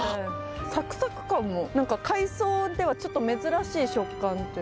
サクサク感も何か海藻ではちょっと珍しい食感というか。